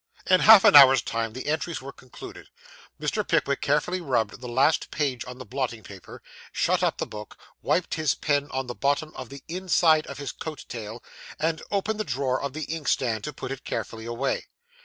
In half an hour's time the entries were concluded. Mr. Pickwick carefully rubbed the last page on the blotting paper, shut up the book, wiped his pen on the bottom of the inside of his coat tail, and opened the drawer of the inkstand to put it carefully away.